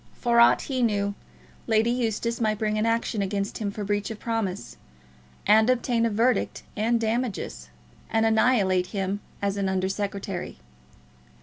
For aught he knew, Lady Eustace might bring an action against him for breach of promise, and obtain a verdict and damages, and annihilate him as an Under Secretary.